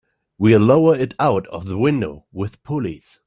We'll lower it out of the window with pulleys.